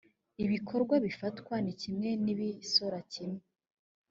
ibikorwa bifatwa kimwe ni ibisora kimwe